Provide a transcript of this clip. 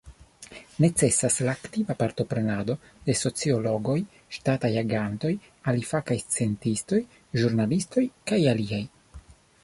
Necesas la aktiva partoprenado de sociologoj, ŝtataj agantoj, alifakaj sciencistoj, ĵurnalistoj, kaj aliaj.